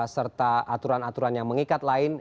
serta aturan aturan yang mengikat lain